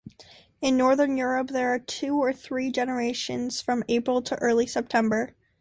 In northern Europe there are two or three generations from April to early September.